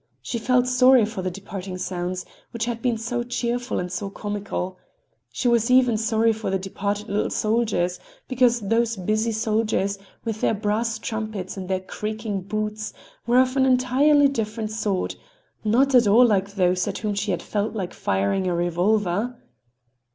She felt sorry for the departing sounds, which had been so cheerful and so comical. She was even sorry for the departed little soldiers, because those busy soldiers, with their brass trumpets and their creaking boots, were of an entirely different sort, not at all like those at whom she had felt like firing a revolver.